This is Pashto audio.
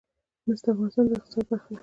مس د افغانستان د اقتصاد برخه ده.